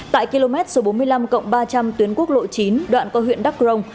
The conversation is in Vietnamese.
tại km số bốn mươi năm cộng ba trăm linh tuyến quốc lộ chín đoạn qua huyện đắk rồng